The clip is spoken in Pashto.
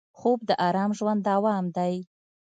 خوب د ارام ژوند دوام دی